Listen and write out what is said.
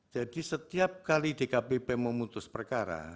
jadi setiap kali dkpp memutus perkara